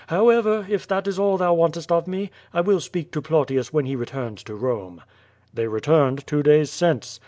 However, if that is all thou wantest of me, 1 will speak to Plautius when he returns to Eome." "They returned two days since."